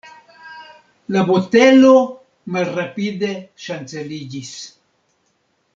La botelo malrapide ŝanceliĝis.